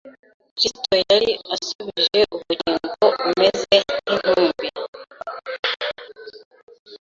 Kristo yari asubije ubugingo umeze nk'intumbi